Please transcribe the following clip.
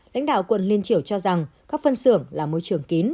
lãnh đạo quận liên triểu cho rằng các phân xưởng là môi trường kín